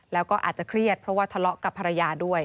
แล้วก็อาจจะเครียดเพราะว่าทะเลาะกับภรรยาด้วย